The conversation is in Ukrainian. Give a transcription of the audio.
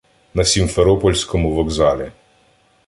На сімферопольському вокзалі.